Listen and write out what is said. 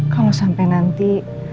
kalau sampai nanti